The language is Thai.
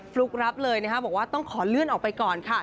ลุ๊กรับเลยนะคะบอกว่าต้องขอเลื่อนออกไปก่อนค่ะ